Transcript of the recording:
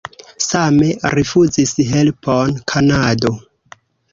Same rifuzis helpon Kanado.